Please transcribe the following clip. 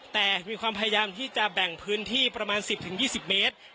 แต่มีความพยายามที่จะแบ่งพื้นที่ประมาณ๑๐๒๐เมตร